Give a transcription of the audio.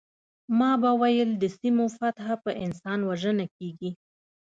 ما به ویل د سیمو فتح په انسان وژنه کیږي